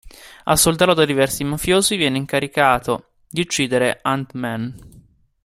Assoldato da diversi mafiosi, viene incaricato di uccidere Ant-Man.